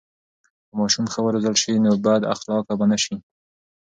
که ماشوم ښه و روزل سي، نو بد اخلاقه به نه سي.